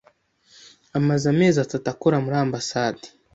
Amaze amezi atatu akora muri ambasade.